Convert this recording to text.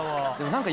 何か。